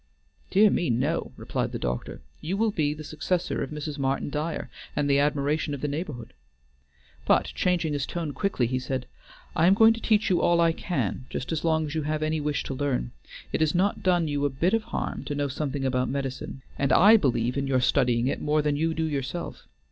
"Dear me, no," replied the doctor. "You will be the successor of Mrs. Martin Dyer, and the admiration of the neighborhood;" but changing his tone quickly, he said: "I am going to teach you all I can, just as long as you have any wish to learn. It has not done you a bit of harm to know something about medicine, and I believe in your studying it more than you do yourself.